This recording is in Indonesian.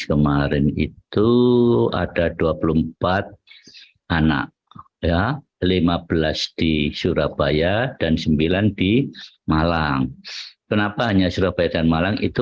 kemarin itu ada dua puluh empat anak ya lima belas di surabaya dan sembilan di malang kenapa hanya surabaya dan malang itu